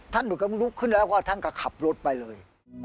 ท่านลุกขึ้นแล้วพอท่านก็ขับรถไปเลย